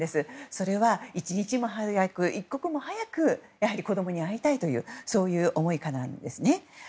それは一日も早く、一刻も早くやはり子供に会いたいという思いからなんですね。